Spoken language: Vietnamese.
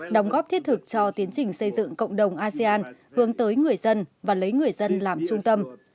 đóng góp thiết thực cho tiến trình xây dựng cộng đồng asean hướng tới người dân và lấy người dân làm trung tâm